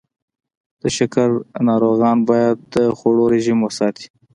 د شکر ناروغان باید د خوړو رژیم وساتي.